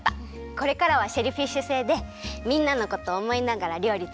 これからはシェルフィッシュ星でみんなのことおもいながらりょうりつくるね。